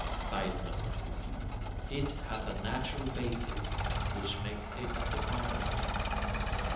[Sidenote: It has a natural basis which makes it definable.